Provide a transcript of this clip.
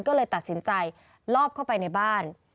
ก็เลยตัดสินใจลอบเข้าไปในบ้าน